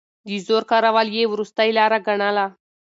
د زور کارول يې وروستۍ لاره ګڼله.